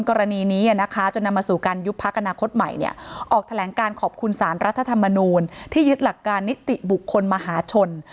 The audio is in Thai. กรณีนี้จนนำมาสู่การยุบพักอนาคตใหม่ออกแถลงการขอบคุณสารรัฐธรรมนูลที่ยึดหลักการนิติบุคคลมหาชน